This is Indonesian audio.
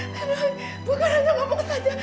memang bukan hanya ngomong saja